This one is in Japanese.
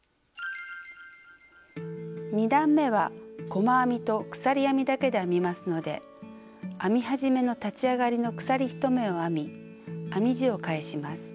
２段めは細編みと鎖編みだけで編みますので編み始めの立ち上がりの鎖１目を編み編み地を返します。